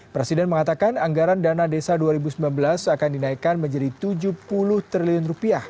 presiden mengatakan anggaran dana desa dua ribu sembilan belas akan dinaikkan menjadi rp tujuh puluh triliun